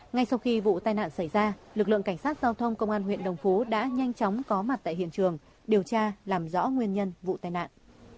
ngay sau khi vụ tai nạn xảy ra lực lượng cảnh sát giao thông công an huyện đồng phú đã nhanh chóng có mặt tại hiện trường điều tra làm rõ nguyên nhân vụ tai nạn